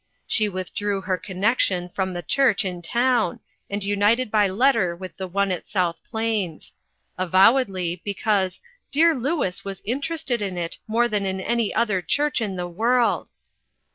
She withdrew her connection with the church in town and united by letter with the one at South Plains; avowedly, because "dear Louis was interested in it more than in any other church in the world."